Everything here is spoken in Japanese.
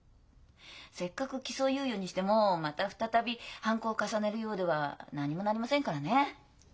せっかく起訴猶予にしてもまた再び犯行を重ねるようでは何にもなりませんからね。